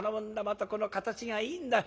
またこの形がいいんだ。